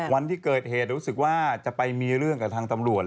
วันที่เกิดเหตุรู้สึกว่าจะไปมีเรื่องกับทางตำรวจ